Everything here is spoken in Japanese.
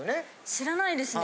知らないですね。